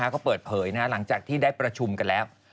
ก็เปิดเผยหลังจากที่ได้ประชุมกันแล้ว